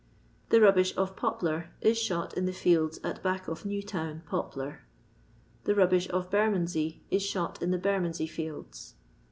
The rubbish of Poplar is shot in the fields at back of New Town, Poplar. The rubbish of Bermondsey is shot in the Bermondsey fields.